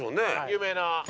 有名な。